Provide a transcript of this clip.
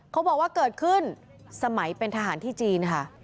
เขาบอกว่าเกิดขึ้นสมัยเป็นทหารที่จีนค่ะ